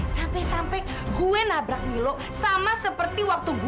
sampai sampai gue nabrak milo sama seperti waktu gue